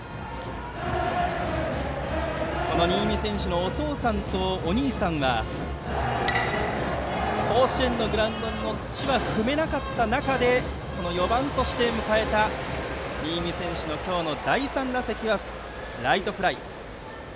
この新美選手のお父さんとお兄さんが甲子園のグラウンドの土は踏めなかった中でこの４番として迎えた新美選手の今日の第３打席はライトフライ。